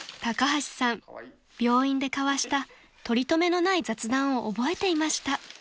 ［高橋さん病院で交わしたとりとめのない雑談を覚えていました］